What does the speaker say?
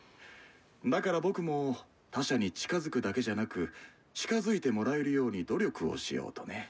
だから僕も他者に近づくだけじゃなく近づいてもらえるように努力をしようとね。